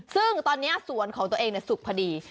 ซึ่งตอนนี้สวนของตัวเองสุกพอดี